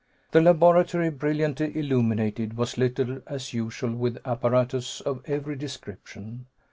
The laboratory, brilliantly illuminated, was littered, as usual, with apparatus of every description.